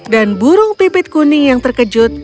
dan burung pipit kuning yang terkejut